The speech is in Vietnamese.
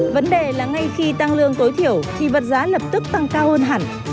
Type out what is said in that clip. vấn đề là ngay khi tăng lương tối thiểu thì vật giá lập tức tăng cao hơn hẳn